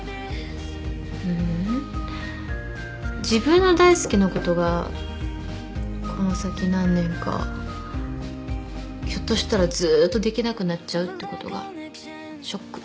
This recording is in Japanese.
ううん自分の大好きなことがこの先何年かひょっとしたらずっとできなくなっちゃうってことがショック。